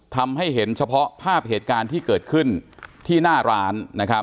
ทำให้เห็นเฉพาะภาพเหตุการณ์ที่เกิดขึ้นที่หน้าร้านนะครับ